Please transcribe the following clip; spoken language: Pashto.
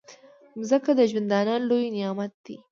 مځکه د ژوندانه لوی نعمت دی.